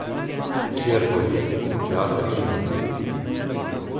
Kjer boli, tja se primemo.